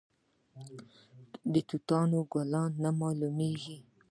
د توتانو ګلونه نه معلومیږي؟